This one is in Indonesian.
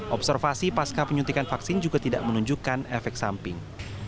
observasi pasca penyuntikan vaksin juga tidak menunjukkan efek samping